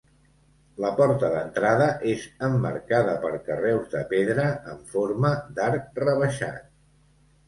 La porta d'entrada és emmarcada per carreus de pedra en forma d'arc rebaixat.